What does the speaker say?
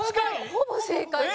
ほぼ正解です。